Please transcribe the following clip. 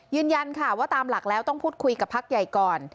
ยืนยันค่ะว่าตามหลักแล้วต้องพูดคุยกับพักใหญ่ก่อน